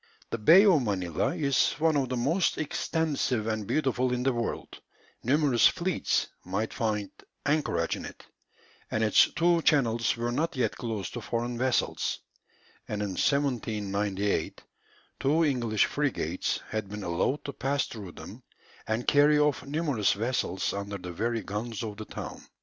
The Bay of Manilla is one of the most extensive and beautiful in the world; numerous fleets might find anchorage in it; and its two channels were not yet closed to foreign vessels, and in 1798 two English frigates had been allowed to pass through them and carry off numerous vessels under the very guns of the town.